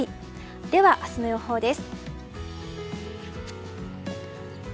では明日の予報です。